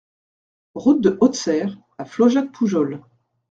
Route de Hautesserre à Flaujac-Poujols